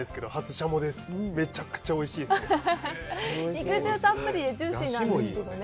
肉汁たっぷりでジューシーなんですけどね。